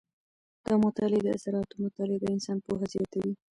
د مطالعې د اثراتو مطالعه د انسان پوهه زیاته وي.